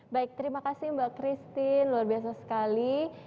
baik terima kasih mbak christine luar biasa sekali